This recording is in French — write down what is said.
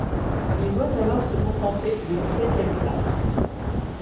Il doit alors se contenter d'une septième place.